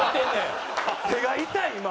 手が痛い今。